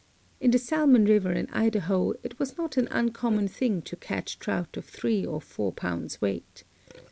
In the Salmon river in Idaho it was not an uncommon thing to catch trout of three or four pounds weight.